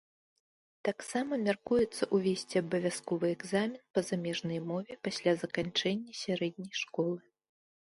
Таксама мяркуецца ўвесці абавязковы экзамен па замежнай мове пасля заканчэння сярэдняй школы.